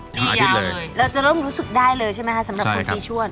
แล้วจะร่วมรู้สึกได้เลยใช่ไหมคะสำหรับคนปีชวด